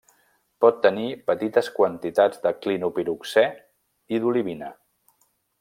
Pot tenir petites quantitats de clinopiroxè i d'olivina.